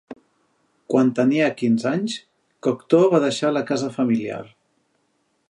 Quan tenia quinze anys, Cocteau va deixar la casa familiar.